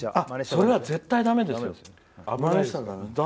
それは絶対にだめですよ。